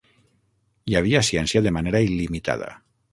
Hi havia ciència de manera il·limitada.